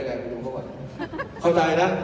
โอเคนะเนี่ยมันก็มีอย่างนี้อะ